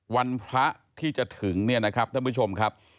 วันพระที่จะถึงท่านผู้ชมครับ